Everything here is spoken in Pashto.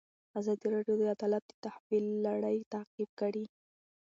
ازادي راډیو د عدالت د تحول لړۍ تعقیب کړې.